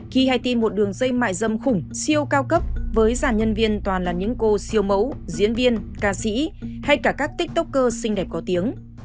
khi haiti một đường dây mại dâm khủng siêu cao cấp với giản nhân viên toàn là những cô siêu mẫu diễn viên ca sĩ hay cả các tiktoker xinh đẹp có tiếng